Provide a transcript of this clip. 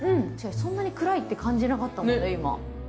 そんなに暗いって感じなかったもんね、今。